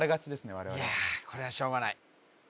我々いやこれはしょうがない